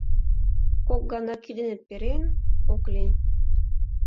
Кок гана кӱ дене перен — ок лий.